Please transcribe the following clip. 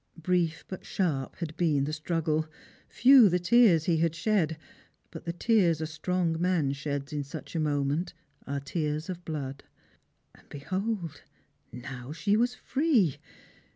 Brief but sharp had been the struggle; few the tears he had shed; but the tears a strong man sheds in such a moment are tears of blood. And behold, now she was free!